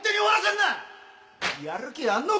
やる気あんのか！？